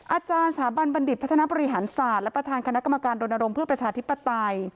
อาจารย์สถาบันบัณฑิตพัฒนาบริหารศาสตร์และประธานคณะกรรมการรณรงค์เพื่อประชาธิปไตย